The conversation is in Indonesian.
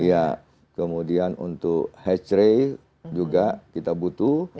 ya kemudian untuk hatch ray juga kita butuh